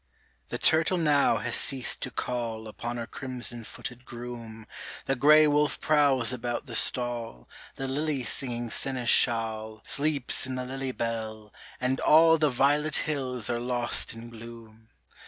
The turtle now has ceased to call Upon her crimson footed groom, The gray wolf prowls about the stall, The lily's singing seneschal Sleeps in the lily bell, and all The violet hills are lost in gloom.